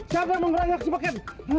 siapa yang mau keroyok si beken